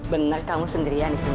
benar kamu sendirian disini